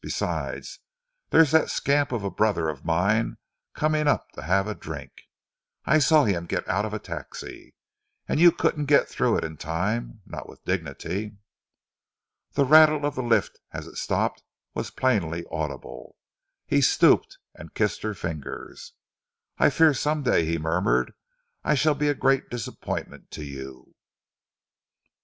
Besides, there's that scamp of a brother of mine coming up to have a drink I saw him get out of a taxi and you couldn't get it through in time, not with dignity." The rattle of the lift as it stopped was plainly audible. He stooped and kissed her fingers. "I fear some day," he murmured, "I shall be a great disappointment to you."